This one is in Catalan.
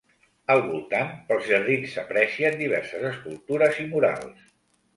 Al voltant, pels jardins s'aprecien diverses escultures i murals.